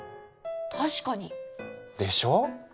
確かに。でしょう？